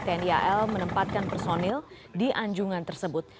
tni al menempatkan personil di anjungan tersebut